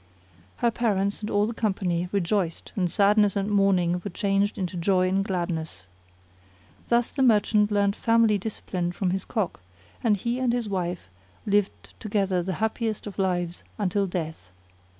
Her parents and all the company rejoiced and sadness and mourning were changed into joy and gladness. Thus the merchant learnt family discipline from his Cock and he and his wife lived together the happiest of lives until death.